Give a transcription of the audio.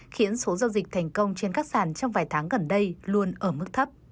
khiến số giao dịch thành công trên các sàn trong vài tháng gần đây luôn ở mức thấp